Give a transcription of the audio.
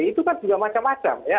itu kan juga macam macam ya